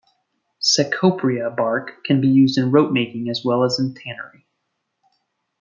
"Cecropia" bark can be used in rope making as well as in tannery.